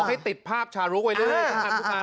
อ๋อให้ติดภาพชาลุ๊กไว้เลยครับทุกท่าน